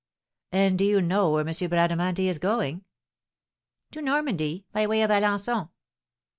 "And do you know where M. Bradamanti is going?" "To Normandy, by way of Alençon."